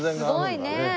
すごいねえ。